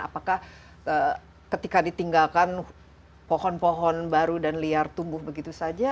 apakah ketika ditinggalkan pohon pohon baru dan liar tumbuh begitu saja